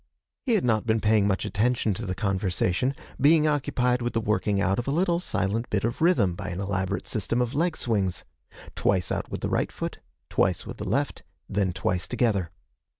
He had not been paying much attention to the conversation, being occupied with the working out of a little silent bit of rhythm by an elaborate system of leg swings: twice out with the right foot; twice with the left; then twice together.